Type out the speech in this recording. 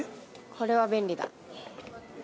これは便利だ。